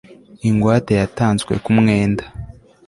ingwate yatanzwe ku mwenda